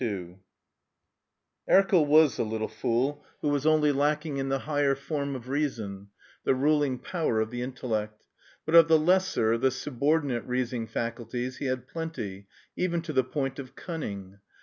II Erkel was a "little fool" who was only lacking in the higher form of reason, the ruling power of the intellect; but of the lesser, the subordinate reasoning faculties, he had plenty even to the point of cunning.